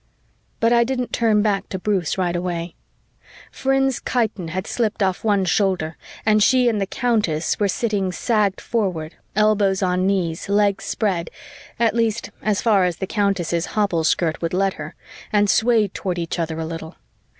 '" But I didn't turn back to Bruce right away. Phryne's chiton had slipped off one shoulder and she and the Countess were sitting sagged forward, elbows on knees, legs spread at least, as far as the Countess's hobble skirt would let her and swayed toward each other a little.